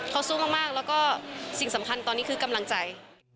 เขาสู้มากแล้วก็สิ่งสำคัญตอนนี้คือกำลังใจ